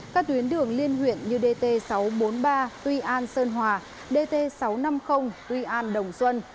các tuyến đường liên huyện như dt sáu trăm bốn mươi ba tuy an sơn hòa dt sáu trăm năm mươi tuy an đồng xuân